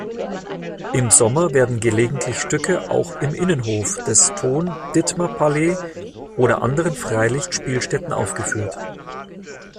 Im Sommer werden gelegentlich Stücke auch im Innenhof des Thon-Dittmer-Palais oder anderen Freilicht-Spielstätten aufgeführt.